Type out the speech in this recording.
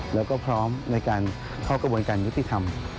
แล้วก็พร้อมในการเข้ากระบวนการยุติธรรม